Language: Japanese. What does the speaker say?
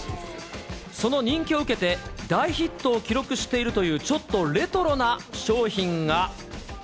その人気を受けて、大ヒットを記録しているという、ちょっとレトロな商品が。